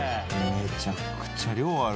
めちゃくちゃ量ある。